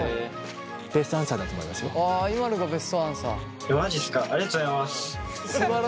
ありがとうございます。